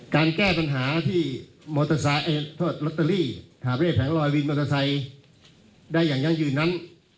การแก้ปัญหาที่รัตเตอรี่ถามเรียกแผงลอยวินมอเตอร์ไซได้อย่างยั่งยืนนั้น